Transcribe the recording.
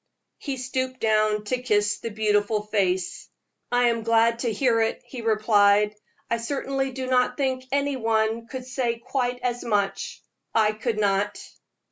He stooped down to kiss the beautiful face. "I am glad to hear it," he replied. "I certainly do not think any one else could say quite as much. I could not."